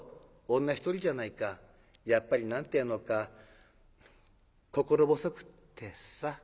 女一人じゃないかやっぱり何て言うのか心細くってさ。